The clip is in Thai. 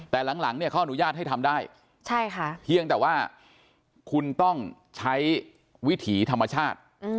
แต่หลังเนี่ยเขาอนุญาตให้ทำได้เพียงแต่ว่าคุณต้องใช้วิถีธรรมชาติ